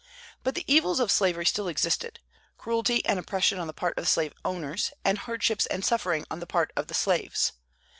But the evils of slavery still existed, cruelty and oppression on the part of slave owners, and hardships and suffering on the part of slaves.